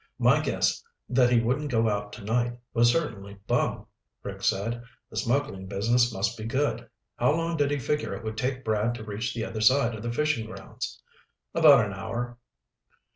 "My guess that he wouldn't go out tonight was certainly bum," Rick said. "The smuggling business must be good. How long did he figure it would take Brad to reach the other side of the fishing grounds?" "About an hour."